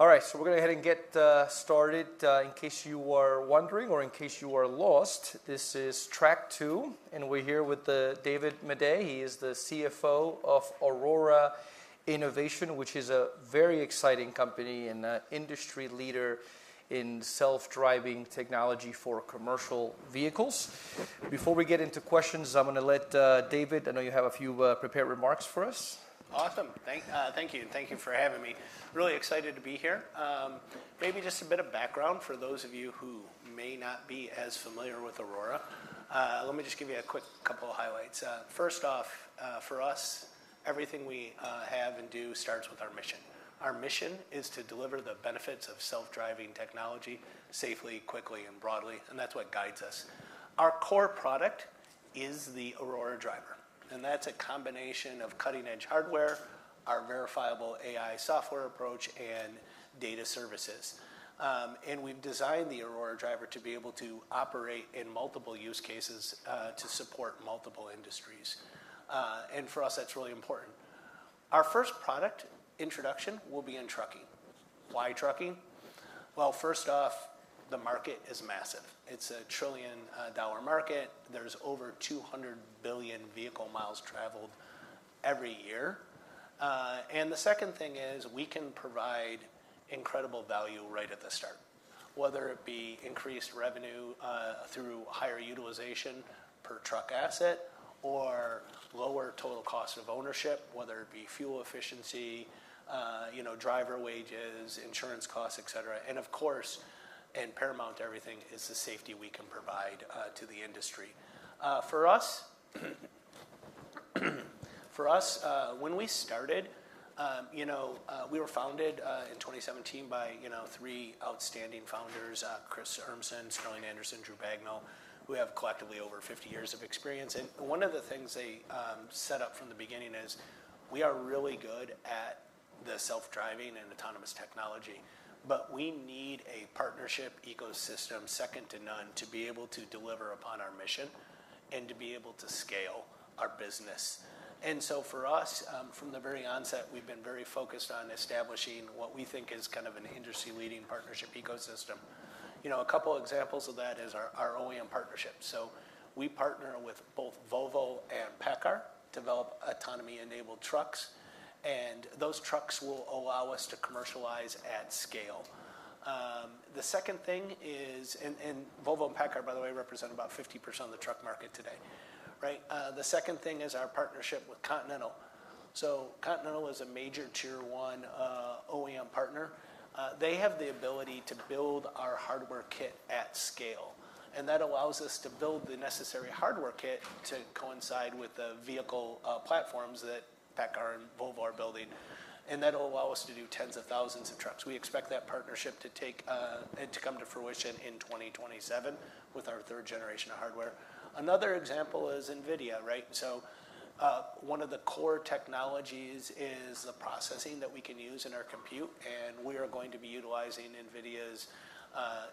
All right, so we're going to go ahead and get started. In case you were wondering or in case you were lost, this is Track Two, and we're here with David Maday. He is the CFO of Aurora Innovation, which is a very exciting company and industry leader in self-driving technology for commercial vehicles. Before we get into questions, I'm going to let David—I know you have a few prepared remarks for us. Awesome. Thank you. Thank you for having me. Really excited to be here. Maybe just a bit of background for those of you who may not be as familiar with Aurora. Let me just give you a quick couple of highlights. First off, for us, everything we have and do starts with our mission. Our mission is to deliver the benefits of self-driving technology safely, quickly, and broadly. That is what guides us. Our core product is the Aurora Driver. That is a combination of cutting-edge hardware, our verifiable AI software approach, and data services. We have designed the Aurora Driver to be able to operate in multiple use cases to support multiple industries. For us, that is really important. Our first product introduction will be in trucking. Why trucking? First off, the market is massive. It is a trillion-dollar market. There are over 200 billion vehicle miles traveled every year. The second thing is we can provide incredible value right at the start, whether it be increased revenue through higher utilization per truck asset or lower total cost of ownership, whether it be fuel efficiency, driver wages, insurance costs, etc. Of course, and paramount to everything, is the safety we can provide to the industry. For us, when we started, we were founded in 2017 by three outstanding founders: Chris Urmson, Sterling Anderson, Drew Bagnell. We have collectively over 50 years of experience. One of the things they set up from the beginning is we are really good at the self-driving and autonomous technology, but we need a partnership ecosystem second to none to be able to deliver upon our mission and to be able to scale our business. For us, from the very onset, we've been very focused on establishing what we think is kind of an industry-leading partnership ecosystem. A couple of examples of that is our OEM partnership. We partner with both Volvo and PACCAR to develop autonomy-enabled trucks. Those trucks will allow us to commercialize at scale. The second thing is—Volvo and PACCAR, by the way, represent about 50% of the truck market today. The second thing is our partnership with Continental. Continental is a major Tier 1 OEM partner. They have the ability to build our hardware kit at scale. That allows us to build the necessary hardware kit to coincide with the vehicle platforms that PACCAR and Volvo are building. That will allow us to do tens of thousands of trucks. We expect that partnership to come to fruition in 2027 with our third-generation hardware. Another example is NVIDIA. One of the core technologies is the processing that we can use in our compute. We are going to be utilizing NVIDIA's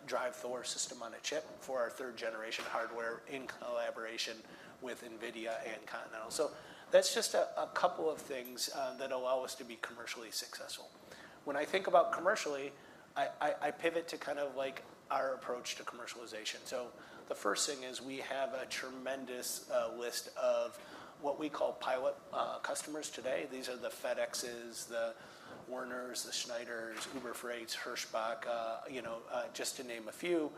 DRIVE Thor system-on-a-chip for our third-generation hardware in collaboration with NVIDIA and Continental. That is just a couple of things that allow us to be commercially successful. When I think about commercially, I pivot to kind of our approach to commercialization. The first thing is we have a tremendous list of what we call pilot customers today. These are the FedExes, the Werners, the Schneiders, Uber Freight, Hirschbach, just to name a few.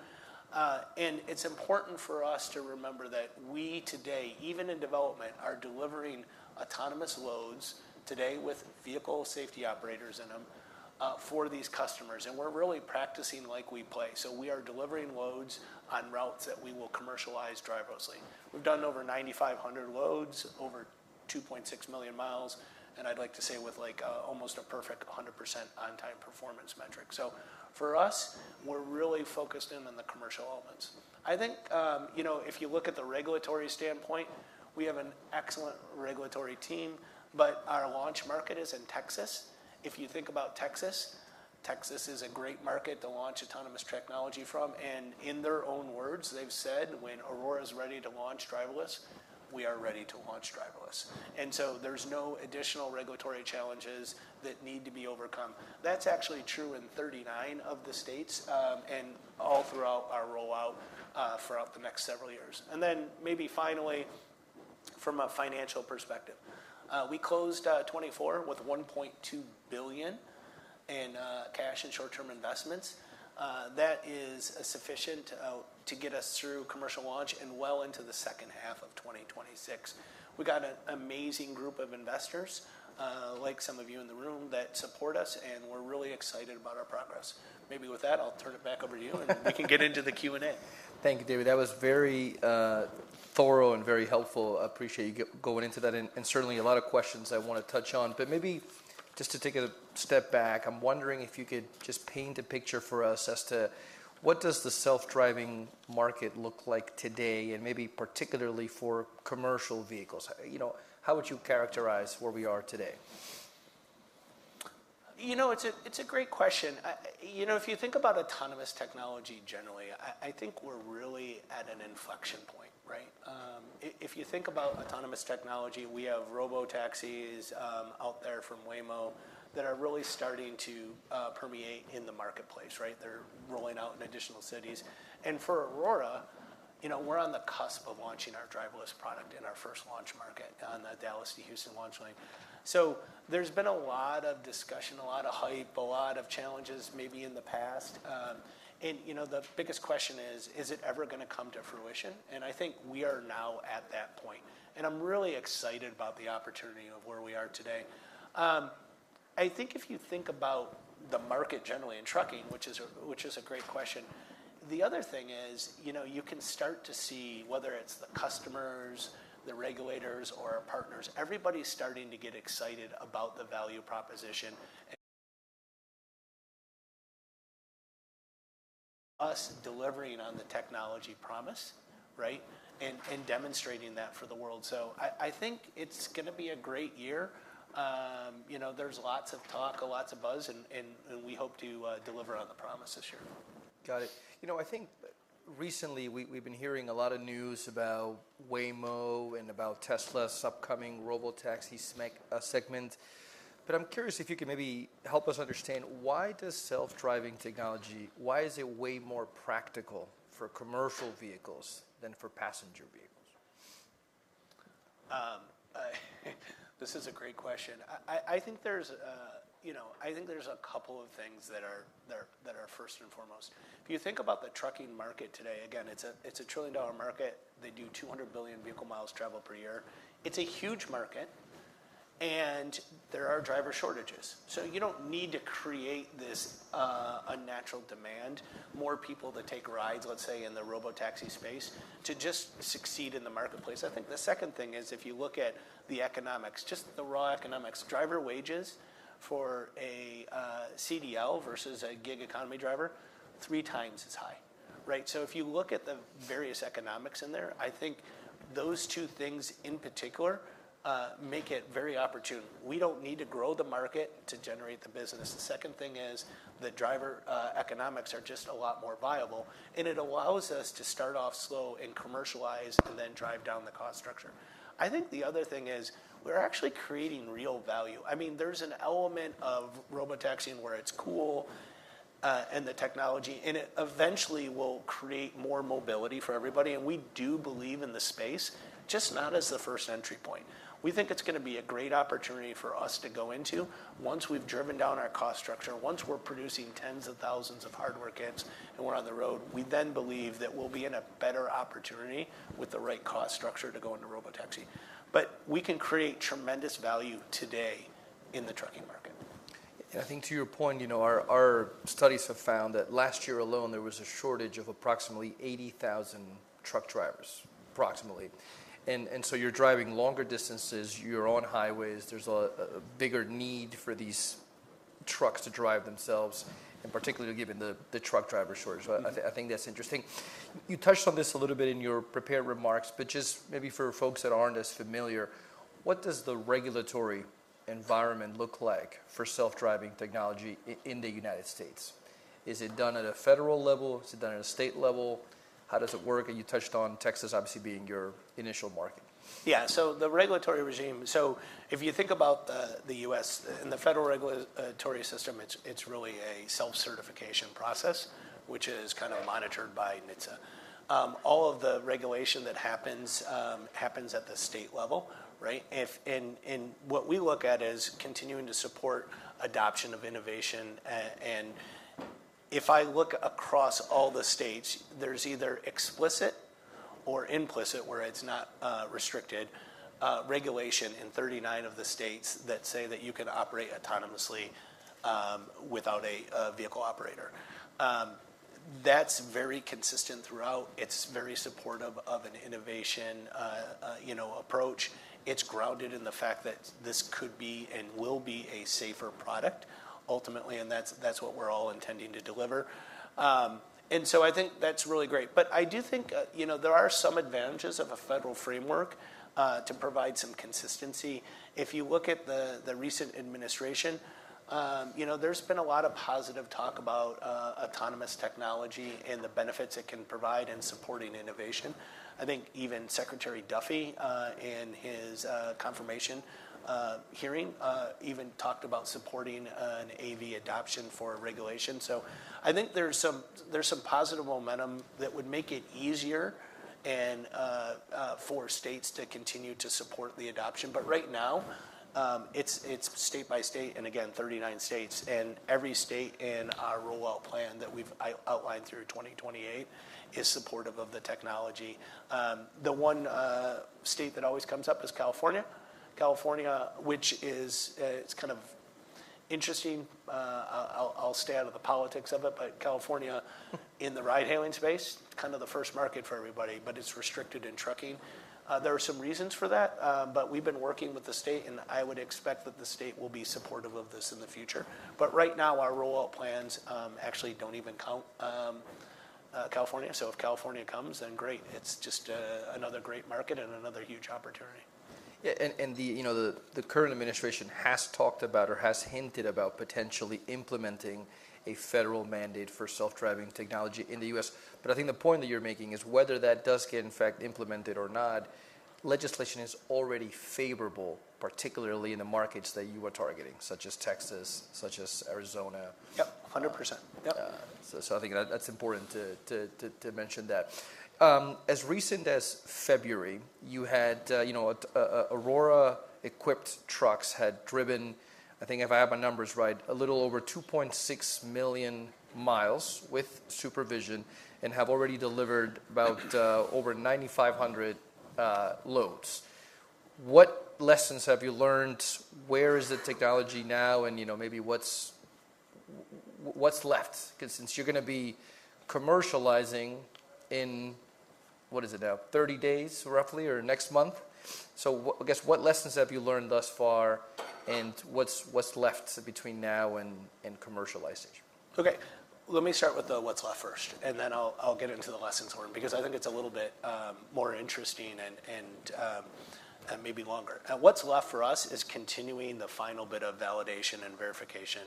It is important for us to remember that we today, even in development, are delivering autonomous loads today with vehicle safety operators in them for these customers. We are really practicing like we play. We are delivering loads on routes that we will commercialize driverlessly. We've done over 9,500 loads, over 2.6 million miles, and I'd like to say with almost a perfect 100% on-time performance metric. For us, we're really focused in on the commercial elements. I think if you look at the regulatory standpoint, we have an excellent regulatory team, but our launch market is in Texas. If you think about Texas, Texas is a great market to launch autonomous technology from. In their own words, they've said, "When Aurora is ready to launch driverless, we are ready to launch driverless." There are no additional regulatory challenges that need to be overcome. That's actually true in 39 of the states and all throughout our rollout throughout the next several years. Maybe finally, from a financial perspective, we closed 2024 with $1.2 billion in cash and short-term investments. That is sufficient to get us through commercial launch and well into the second half of 2026. We got an amazing group of investors, like some of you in the room, that support us, and we're really excited about our progress. Maybe with that, I'll turn it back over to you, and we can get into the Q&A. Thank you, David. That was very thorough and very helpful. I appreciate you going into that. Certainly, a lot of questions I want to touch on. Maybe just to take a step back, I'm wondering if you could just paint a picture for us as to what does the self-driving market look like today, and maybe particularly for commercial vehicles. How would you characterize where we are today? You know, it's a great question. You know, if you think about autonomous technology generally, I think we're really at an inflection point. If you think about autonomous technology, we have robotaxis out there from Waymo that are really starting to permeate in the marketplace. They're rolling out in additional cities. For Aurora, we're on the cusp of launching our driverless product in our first launch market on the Dallas to Houston launch lane. There has been a lot of discussion, a lot of hype, a lot of challenges maybe in the past. The biggest question is, is it ever going to come to fruition? I think we are now at that point. I'm really excited about the opportunity of where we are today. I think if you think about the market generally in trucking, which is a great question, the other thing is you can start to see whether it's the customers, the regulators, or our partners, everybody's starting to get excited about the value proposition. Us delivering on the technology promise and demonstrating that for the world. I think it's going to be a great year. There's lots of talk, lots of buzz, and we hope to deliver on the promise this year. Got it. You know, I think recently we've been hearing a lot of news about Waymo and about Tesla's upcoming robotaxi segment. I'm curious if you could maybe help us understand why does self-driving technology, why is it way more practical for commercial vehicles than for passenger vehicles? This is a great question. I think there's a couple of things that are first and foremost. If you think about the trucking market today, again, it's a trillion-dollar market. They do 200 billion vehicle miles traveled per year. It's a huge market, and there are driver shortages. You don't need to create this unnatural demand, more people to take rides, let's say, in the robotaxi space, to just succeed in the marketplace. I think the second thing is if you look at the economics, just the raw economics, driver wages for a CDL versus a gig economy driver, three times as high. If you look at the various economics in there, I think those two things in particular make it very opportune. We don't need to grow the market to generate the business. The second thing is the driver economics are just a lot more viable. It allows us to start off slow and commercialize and then drive down the cost structure. I think the other thing is we're actually creating real value. I mean, there's an element of robotaxiing where it's cool and the technology, and it eventually will create more mobility for everybody. I mean, we do believe in the space, just not as the first entry point. We think it's going to be a great opportunity for us to go into once we've driven down our cost structure, once we're producing tens of thousands of hardware kits and we're on the road. We then believe that we'll be in a better opportunity with the right cost structure to go into robotaxi. We can create tremendous value today in the trucking market. I think to your point, our studies have found that last year alone, there was a shortage of approximately 80,000 truck drivers, approximately. You are driving longer distances, you are on highways, there is a bigger need for these trucks to drive themselves, and particularly given the truck driver shortage. I think that is interesting. You touched on this a little bit in your prepared remarks, but just maybe for folks that are not as familiar, what does the regulatory environment look like for self-driving technology in the United States? Is it done at a federal level? Is it done at a state level? How does it work? You touched on Texas, obviously, being your initial market. Yeah. The regulatory regime, if you think about the U.S. and the federal regulatory system, it's really a self-certification process, which is kind of monitored by NHTSA. All of the regulation that happens happens at the state level. What we look at is continuing to support adoption of innovation. If I look across all the states, there's either explicit or implicit, where it's not restricted, regulation in 39 of the states that say that you can operate autonomously without a vehicle operator. That's very consistent throughout. It's very supportive of an innovation approach. It's grounded in the fact that this could be and will be a safer product, ultimately, and that's what we're all intending to deliver. I think that's really great. I do think there are some advantages of a federal framework to provide some consistency. If you look at the recent administration, there's been a lot of positive talk about autonomous technology and the benefits it can provide in supporting innovation. I think even Secretary Duffy in his confirmation hearing even talked about supporting an AV adoption for regulation. I think there's some positive momentum that would make it easier for states to continue to support the adoption. Right now, it's state by state, and again, 39 states. Every state in our rollout plan that we've outlined through 2028 is supportive of the technology. The one state that always comes up is California. California, which is kind of interesting, I'll stay out of the politics of it, but California in the ride-hailing space, kind of the first market for everybody, but it's restricted in trucking. There are some reasons for that, but we've been working with the state, and I would expect that the state will be supportive of this in the future. Right now, our rollout plans actually don't even count California. If California comes, then great. It's just another great market and another huge opportunity. The current administration has talked about or has hinted about potentially implementing a federal mandate for self-driving technology in the U.S. I think the point that you're making is whether that does get, in fact, implemented or not, legislation is already favorable, particularly in the markets that you are targeting, such as Texas, such as Arizona. Yep, 100%. I think that's important to mention that. As recent as February, you had Aurora-equipped trucks had driven, I think if I have my numbers right, a little over 2.6 million miles with supervision and have already delivered about over 9,500 loads. What lessons have you learned? Where is the technology now? Maybe what's left? Because since you're going to be commercializing in, what is it now, 30 days, roughly, or next month? I guess what lessons have you learned thus far, and what's left between now and commercialization? OK, let me start with what's left first, and then I'll get into the lessons learned, because I think it's a little bit more interesting and maybe longer. What's left for us is continuing the final bit of validation and verification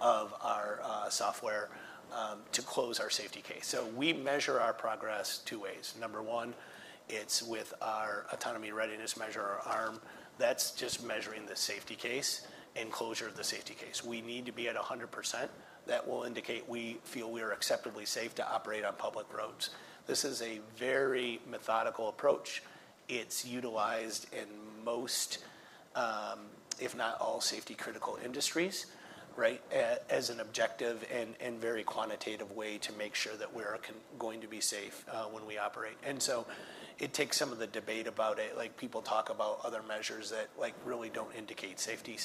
of our software to close our safety case. We measure our progress two ways. Number one, it's with our Autonomy Readiness Measure, our ARM. That's just measuring the safety case and closure of the safety case. We need to be at 100%. That will indicate we feel we are acceptably safe to operate on public roads. This is a very methodical approach. It's utilized in most, if not all, safety-critical industries as an objective and very quantitative way to make sure that we're going to be safe when we operate. It takes some of the debate about it. People talk about other measures that really do not indicate safety.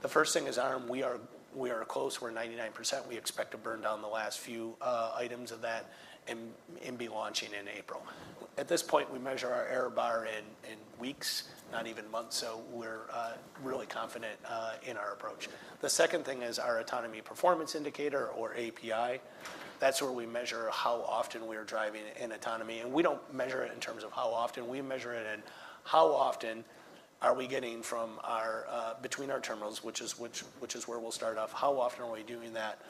The first thing is ARM. We are close. We are 99%. We expect to burn down the last few items of that and be launching in April. At this point, we measure our error bar in weeks, not even months. We are really confident in our approach. The second thing is our Autonomy Performance Indicator, or API. That is where we measure how often we are driving in autonomy. We do not measure it in terms of how often. We measure it in how often are we getting from our between our terminals, which is where we will start off, how often are we doing that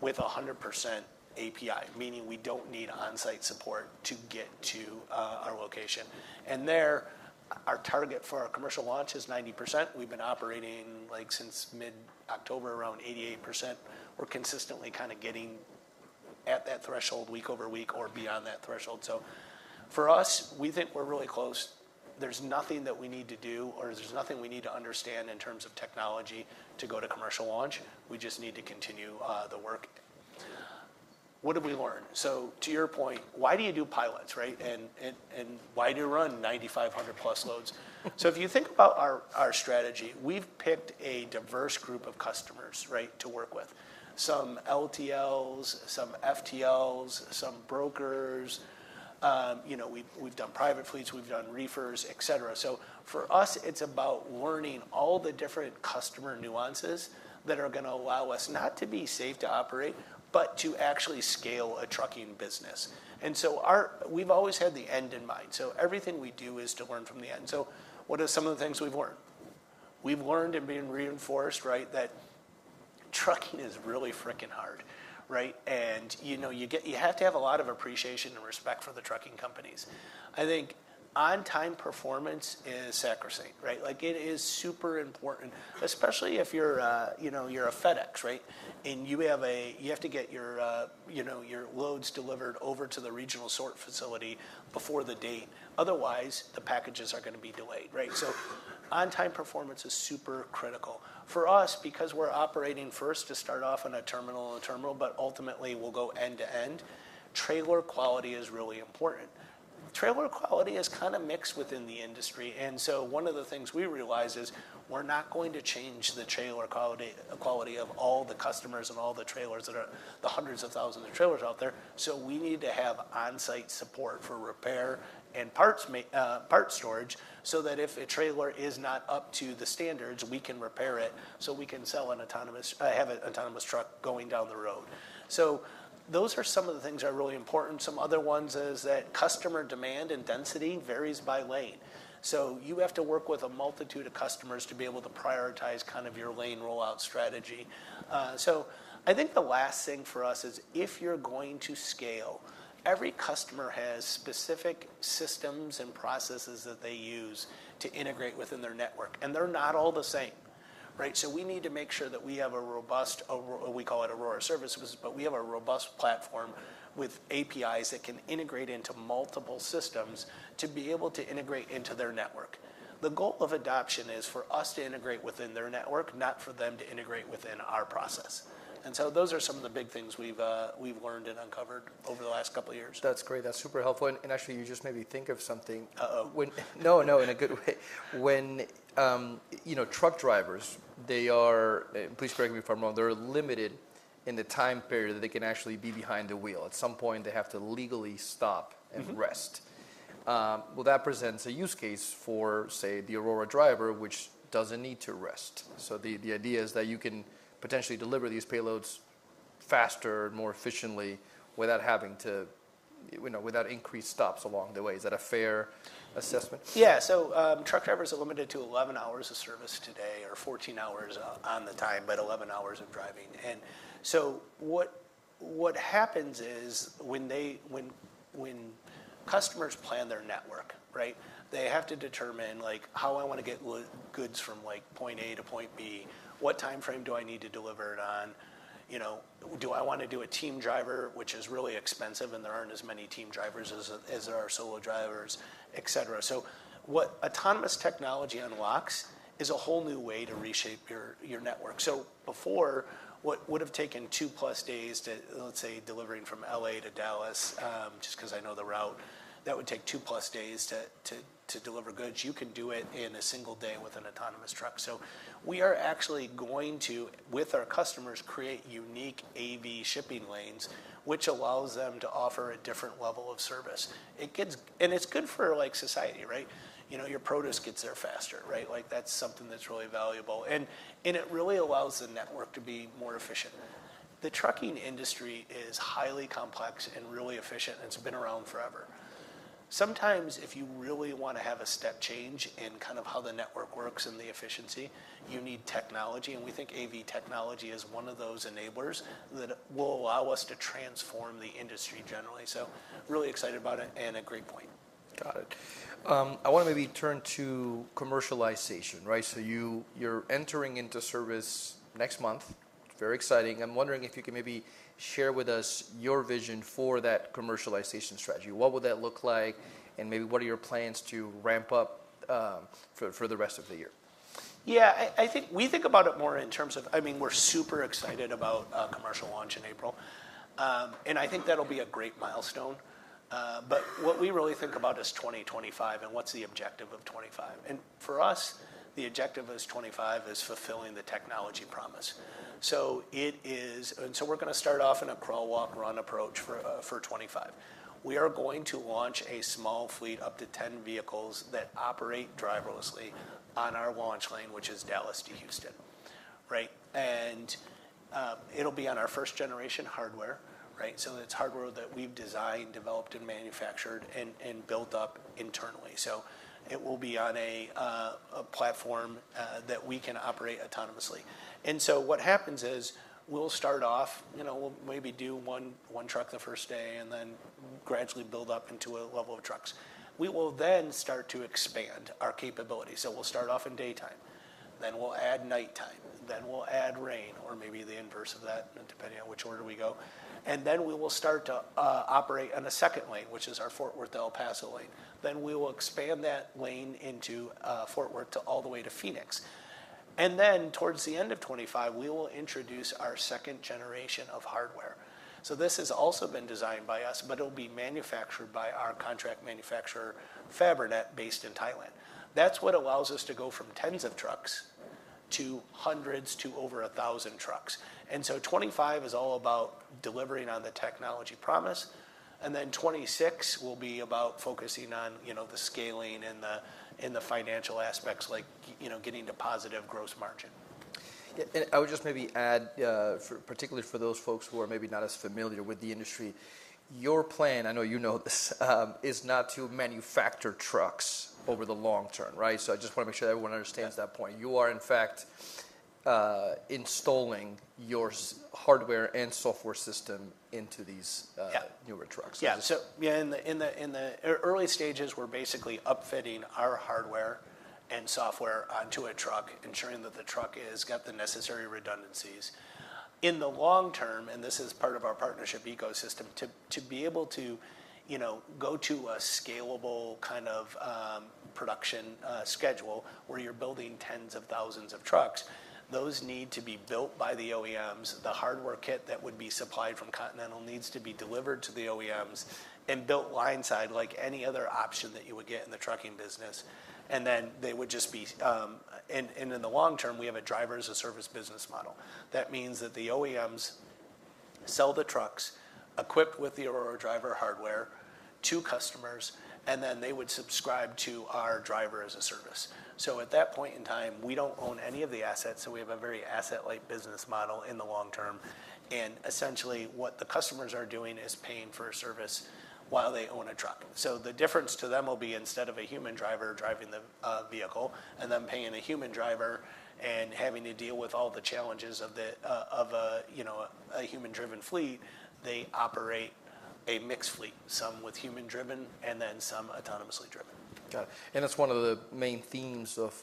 with 100% API, meaning we do not need on-site support to get to our location. There, our target for our commercial launch is 90%. We have been operating since mid-October, around 88%. We're consistently kind of getting at that threshold week over week or beyond that threshold. For us, we think we're really close. There's nothing that we need to do, or there's nothing we need to understand in terms of technology to go to commercial launch. We just need to continue the work. What have we learned? To your point, why do you do pilots? Why do you run 9,500-plus loads? If you think about our strategy, we've picked a diverse group of customers to work with, some LTLs, some FTLs, some brokers. We've done private fleets. We've done reefers, et cetera. For us, it's about learning all the different customer nuances that are going to allow us not to be safe to operate, but to actually scale a trucking business. We've always had the end in mind. Everything we do is to learn from the end. What are some of the things we've learned? We've learned and been reinforced that trucking is really freaking hard. You have to have a lot of appreciation and respect for the trucking companies. I think on-time performance is sacrosanct. It is super important, especially if you're a FedEx, and you have to get your loads delivered over to the regional sort facility before the date. Otherwise, the packages are going to be delayed. On-time performance is super critical. For us, because we're operating first to start off on a terminal and a terminal, but ultimately, we'll go end to end, trailer quality is really important. Trailer quality is kind of mixed within the industry. One of the things we realize is we're not going to change the trailer quality of all the customers and all the trailers, the hundreds of thousands of trailers out there. We need to have on-site support for repair and part storage so that if a trailer is not up to the standards, we can repair it so we can have an autonomous truck going down the road. Those are some of the things that are really important. Some other ones is that customer demand and density varies by lane. You have to work with a multitude of customers to be able to prioritize kind of your lane rollout strategy. I think the last thing for us is if you're going to scale, every customer has specific systems and processes that they use to integrate within their network. They are not all the same. We need to make sure that we have a robust, we call it Aurora Services, but we have a robust platform with APIs that can integrate into multiple systems to be able to integrate into their network. The goal of adoption is for us to integrate within their network, not for them to integrate within our process. Those are some of the big things we have learned and uncovered over the last couple of years. That's great. That's super helpful. Actually, you just made me think of something. Uh-oh. No, no, in a good way. When truck drivers, they are, and please correct me if I'm wrong, they're limited in the time period that they can actually be behind the wheel. At some point, they have to legally stop and rest. That presents a use case for, say, the Aurora Driver, which doesn't need to rest. The idea is that you can potentially deliver these payloads faster, more efficiently, without having to, without increased stops along the way. Is that a fair assessment? Yeah. Truck drivers are limited to 11 hours of service today or 14 hours on the time, but 11 hours of driving. What happens is when customers plan their network, they have to determine how I want to get goods from point A to point B, what time frame do I need to deliver it on? Do I want to do a team driver, which is really expensive, and there are not as many team drivers as there are solo drivers, et cetera? What autonomous technology unlocks is a whole new way to reshape your network. Before, what would have taken two-plus days to, let's say, delivering from Los Angeles to Dallas, just because I know the route, that would take two-plus days to deliver goods, you can do it in a single day with an autonomous truck. We are actually going to, with our customers, create unique AV shipping lanes, which allows them to offer a different level of service. It is good for society. Your produce gets there faster. That is something that is really valuable. It really allows the network to be more efficient. The trucking industry is highly complex and really efficient, and it has been around forever. Sometimes, if you really want to have a step change in kind of how the network works and the efficiency, you need technology. We think AV technology is one of those enablers that will allow us to transform the industry generally. Really excited about it and a great point. Got it. I want to maybe turn to commercialization. You are entering into service next month. Very exciting. I am wondering if you can maybe share with us your vision for that commercialization strategy. What would that look like, and maybe what are your plans to ramp up for the rest of the year? Yeah, I think we think about it more in terms of, I mean, we're super excited about a commercial launch in April. I think that'll be a great milestone. What we really think about is 2025 and what's the objective of 2025. For us, the objective of 2025 is fulfilling the technology promise. We are going to start off in a crawl, walk, run approach for 2025. We are going to launch a small fleet of up to 10 vehicles that operate driverlessly on our launch lane, which is Dallas to Houston. It will be on our first-generation hardware. It is hardware that we've designed, developed, and manufactured and built up internally. It will be on a platform that we can operate autonomously. What happens is we'll start off, we'll maybe do one truck the first day and then gradually build up into a level of trucks. We will then start to expand our capability. We'll start off in daytime. Then we'll add nighttime. Then we'll add rain or maybe the inverse of that, depending on which order we go. We will start to operate on a second lane, which is our Fort Worth to El Paso lane. We will expand that lane into Fort Worth all the way to Phoenix. Towards the end of 2025, we will introduce our second generation of hardware. This has also been designed by us, but it'll be manufactured by our contract manufacturer, Fabrinet, based in Thailand. That's what allows us to go from tens of trucks to hundreds to over 1,000 trucks. Twenty twenty-five is all about delivering on the technology promise. Then twenty twenty-six will be about focusing on the scaling and the financial aspects, like getting a positive gross margin. I would just maybe add, particularly for those folks who are maybe not as familiar with the industry, your plan, I know you know this, is not to manufacture trucks over the long term. I just want to make sure everyone understands that point. You are, in fact, installing your hardware and software system into these newer trucks. Yeah. In the early stages, we're basically upfitting our hardware and software onto a truck, ensuring that the truck has got the necessary redundancies. In the long term, and this is part of our partnership ecosystem, to be able to go to a scalable kind of production schedule where you're building tens of thousands of trucks, those need to be built by the OEMs. The hardware kit that would be supplied from Continental needs to be delivered to the OEMs and built line-side, like any other option that you would get in the trucking business. They would just be, and in the long term, we have a Driver-as-a-Service business model. That means that the OEMs sell the trucks equipped with the Aurora Driver hardware to customers, and then they would subscribe to our Driver-as-a-Service. At that point in time, we do not own any of the assets. We have a very asset-light business model in the long term. Essentially, what the customers are doing is paying for a service while they own a truck. The difference to them will be instead of a human driver driving the vehicle and them paying a human driver and having to deal with all the challenges of a human-driven fleet, they operate a mixed fleet, some with human-driven and then some autonomously driven. Got it. That is one of the main themes of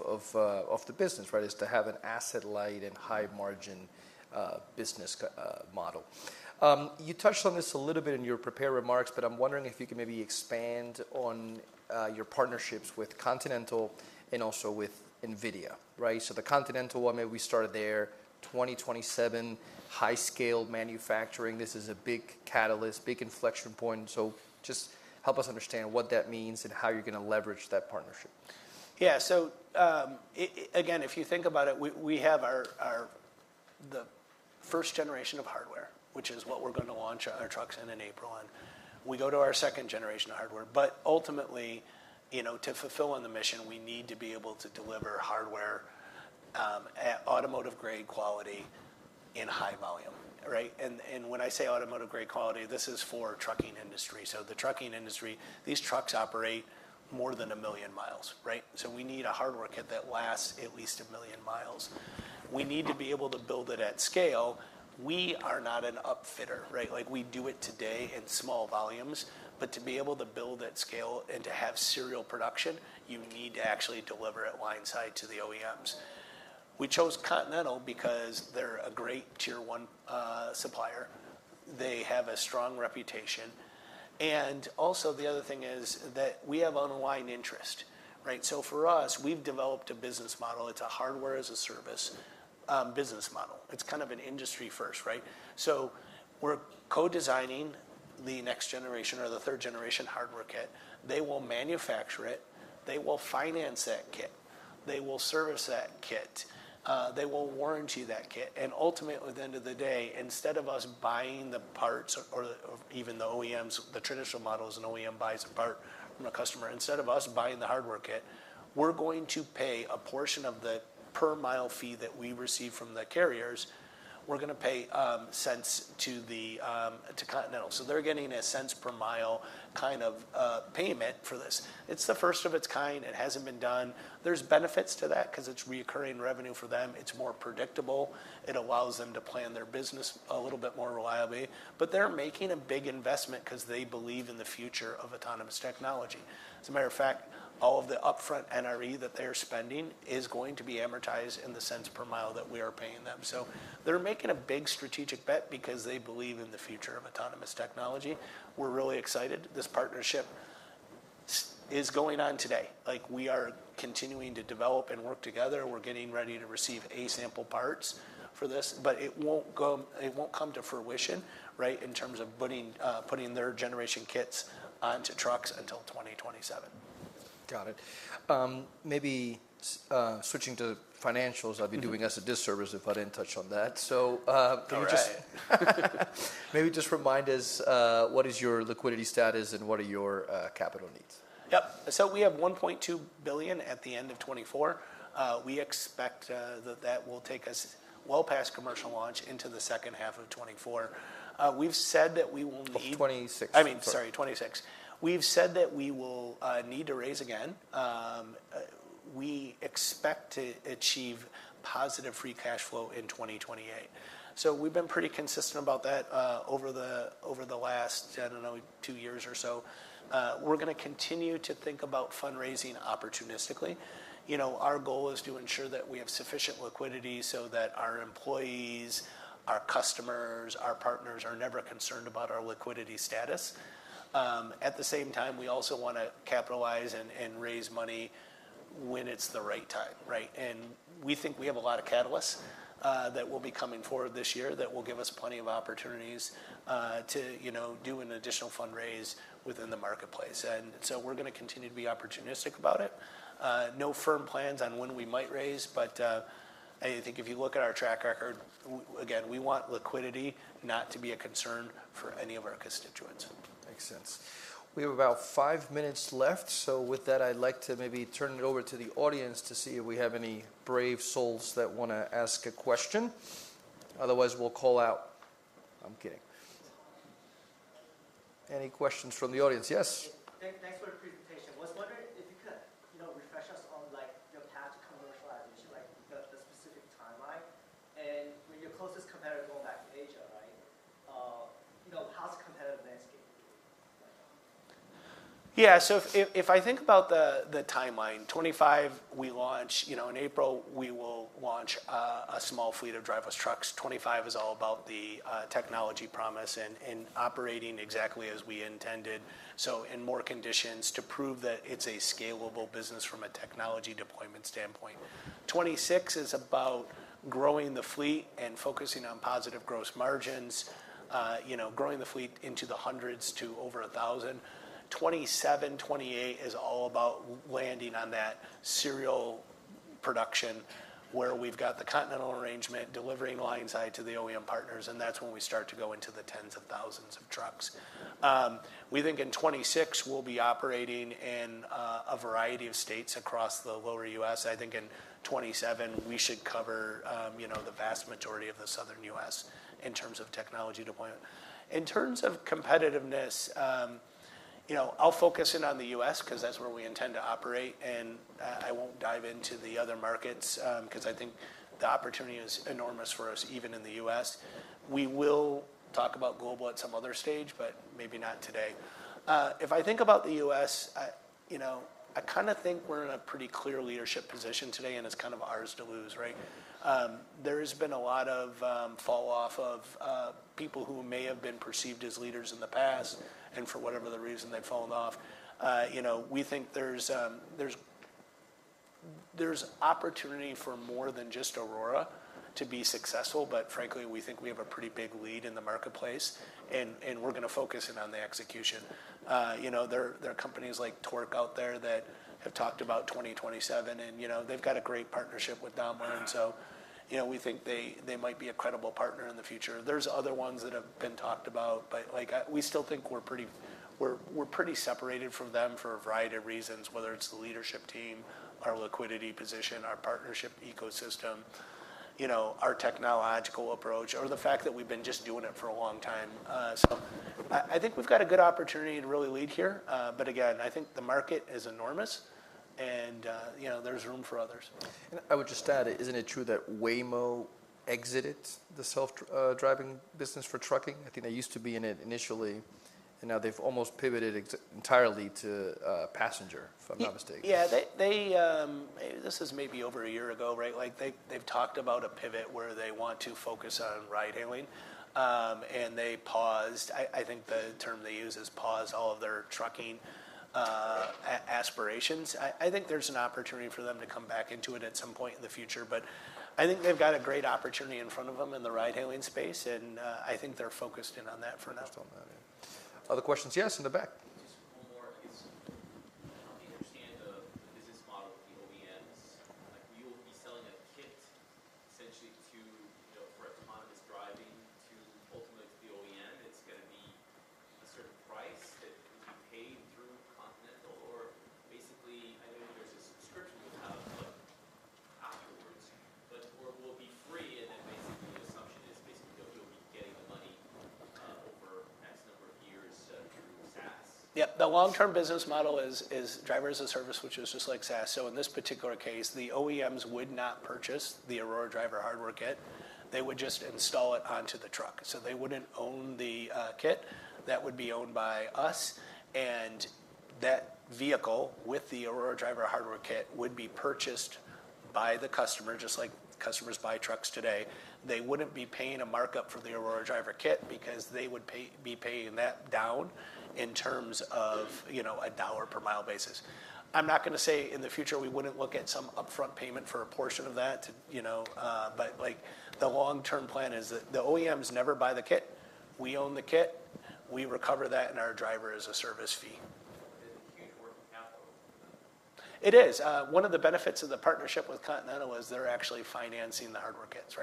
the business, to have an asset-light and high-margin business model. You touched on this a little bit in your prepared remarks, but I am wondering if you can maybe expand on your partnerships with Continental and also with NVIDIA. The Continental one, maybe we start there, 2027 high-scale manufacturing. This is a big catalyst, big inflection point. Just help us understand what that means and how you are going to leverage that partnership. Yeah. So again, if you think about it, we have the first generation of hardware, which is what we're going to launch our trucks in in April. We go to our second generation of hardware. Ultimately, to fulfill on the mission, we need to be able to deliver hardware at automotive-grade quality in high volume. When I say automotive-grade quality, this is for the trucking industry. The trucking industry, these trucks operate more than a million miles. We need a hardware kit that lasts at least a million miles. We need to be able to build it at scale. We are not an upfitter. We do it today in small volumes. To be able to build at scale and to have serial production, you need to actually deliver it line-side to the OEMs. We chose Continental because they're a great Tier 1 supplier. They have a strong reputation. Also, the other thing is that we have an aligned interest. For us, we've developed a business model. It's a hardware-as-a-service business model. It's kind of an industry first. We're co-designing the next generation or the third-generation hardware kit. They will manufacture it. They will finance that kit. They will service that kit. They will warranty that kit. Ultimately, at the end of the day, instead of us buying the parts or even the OEMs, the traditional model is an OEM buys a part from a customer. Instead of us buying the hardware kit, we're going to pay a portion of the per-mile fee that we receive from the carriers. We're going to pay cents to Continental. They're getting a cents per mile kind of payment for this. It's the first of its kind. It hasn't been done. There's benefits to that because it's reoccurring revenue for them. It's more predictable. It allows them to plan their business a little bit more reliably. They're making a big investment because they believe in the future of autonomous technology. As a matter of fact, all of the upfront NRE that they are spending is going to be amortized in the cents per mile that we are paying them. They're making a big strategic bet because they believe in the future of autonomous technology. We're really excited. This partnership is going on today. We are continuing to develop and work together. We're getting ready to receive A-sample parts for this. It won't come to fruition in terms of putting their generation kits onto trucks until 2027. Got it. Maybe switching to financials, I'd be doing us a disservice if I didn't touch on that. Can you just maybe just remind us, what is your liquidity status and what are your capital needs? Yep. We have $1.2 billion at the end of 2024. We expect that that will take us well past commercial launch into the second half of 2024. We've said that we will need. Of 2026. I mean, sorry, 2026. We've said that we will need to raise again. We expect to achieve positive free cash flow in 2028. We've been pretty consistent about that over the last, I don't know, two years or so. We're going to continue to think about fundraising opportunistically. Our goal is to ensure that we have sufficient liquidity so that our employees, our customers, our partners are never concerned about our liquidity status. At the same time, we also want to capitalize and raise money when it's the right time. We think we have a lot of catalysts that will be coming forward this year that will give us plenty of opportunities to do an additional fundraise within the marketplace. We're going to continue to be opportunistic about it. No firm plans on when we might raise. I think if you look at our track record, again, we want liquidity not to be a concern for any of our constituents. Makes sense. We have about five minutes left. With that, I'd like to maybe turn it over to the audience to see if we have any brave souls that want to ask a question. Otherwise, we'll call out. I'm kidding. Any questions from the audience? Yes. Thanks for the presentation. I was wondering if you could refresh us on your path to commercialization, the specific timeline. With your closest competitor going back to Asia, how's the competitive landscape looking? Yeah. If I think about the timeline, 2025, we launch. In April, we will launch a small fleet of driverless trucks. 2025 is all about the technology promise and operating exactly as we intended, so in more conditions to prove that it's a scalable business from a technology deployment standpoint. 2026 is about growing the fleet and focusing on positive gross margins, growing the fleet into the hundreds to over 1,000. 2027, 2028 is all about landing on that serial production where we've got the Continental arrangement delivering line side to the OEM partners. That is when we start to go into the tens of thousands of trucks. We think in 2026 we'll be operating in a variety of states across the lower U.S. I think in 2027, we should cover the vast majority of the southern U.S. in terms of technology deployment. In terms of competitiveness, I'll focus in on the U.S. because that's where we intend to operate. I won't dive into the other markets because I think the opportunity is enormous for us, even in the U.S. We will talk about global at some other stage, but maybe not today. If I think about the U.S., I kind of think we're in a pretty clear leadership position today, and it's kind of ours to lose. There has been a lot of falloff of people who may have been perceived as leaders in the past and for whatever the reason they've fallen off. We think there's opportunity for more than just Aurora to be successful. Frankly, we think we have a pretty big lead in the marketplace, and we're going to focus in on the execution. There are companies like Torc out there that have talked about 2027, and they've got a great partnership with Daimler. We think they might be a credible partner in the future. There are other ones that have been talked about, but we still think we're pretty separated from them for a variety of reasons, whether it's the leadership team, our liquidity position, our partnership ecosystem, our technological approach, or the fact that we've been just doing it for a long time. I think we've got a good opportunity to really lead here. Again, I think the market is enormous, and there's room for others. I would just add, isn't it true that Waymo exited the self-driving business for trucking? I think they used to be in it initially, and now they've almost pivoted entirely to passenger, if I'm not mistaken. Yeah. This is maybe over a year ago. They've talked about a pivot where they want to focus on ride-hailing, and they paused. I think the term they use is pause all of their trucking aspirations. I think there's an opportunity for them to come back into it at some point in the future. I think they've got a great opportunity in front of them in the ride-hailing space, and I think they're focused in on that for now. Other questions? Yes, in the back. They would not be paying a markup for the Aurora Driver kit because they would be paying that down in terms of a dollar per mile basis. I am not going to say in the future we would not look at some upfront payment for a portion of that. The long-term plan is that the OEMs never buy the kit. We own the kit. We recover that in our Driver-as-a-Service fee. Huge working capital. It is. One of the benefits of the partnership with Continental is they're actually financing the hardware kits.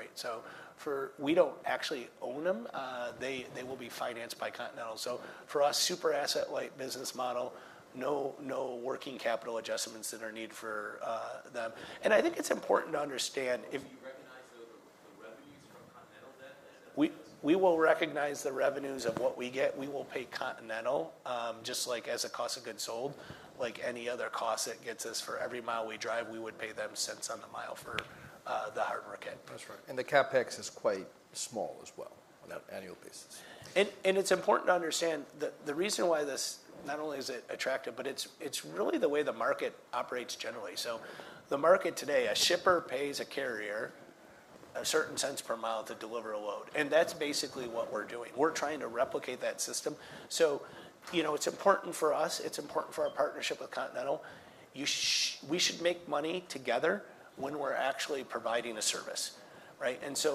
We don't actually own them. They will be financed by Continental. For us, super asset-light business model, no working capital adjustments that are needed for them. I think it's important to understand. Do you recognize the revenues from Continental then? We will recognize the revenues of what we get. We will pay Continental just like as a cost of goods sold, like any other cost that gets us for every mile we drive. We would pay them cents on the mile for the hardware kit. That's right. The CapEx is quite small as well on an annual basis. It is important to understand the reason why this not only is it attractive, but it is really the way the market operates generally. The market today, a shipper pays a carrier a certain cents per mile to deliver a load. That is basically what we are doing. We are trying to replicate that system. It is important for us. It is important for our partnership with Continental. We should make money together when we are actually providing a service.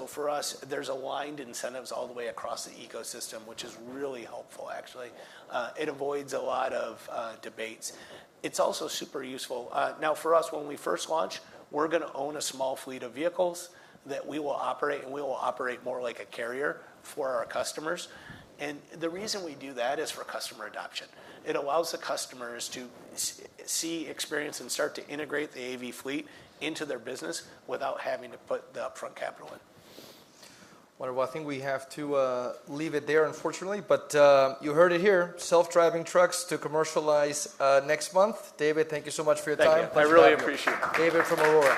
For us, there are aligned incentives all the way across the ecosystem, which is really helpful, actually. It avoids a lot of debates. It is also super useful. Now, for us, when we first launch, we are going to own a small fleet of vehicles that we will operate, and we will operate more like a carrier for our customers. The reason we do that is for customer adoption. It allows the customers to see, experience, and start to integrate the AV fleet into their business without having to put the upfront capital in. Wonderful. I think we have to leave it there, unfortunately. You heard it here, self-driving trucks to commercialize next month. David, thank you so much for your time. I really appreciate it. David from Aurora.